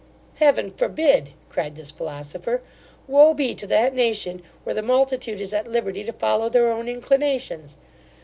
'Heaven forbid! (cried this philosopher). Woe be to that nation, where the multitude is at liberty to follow their own inclinations!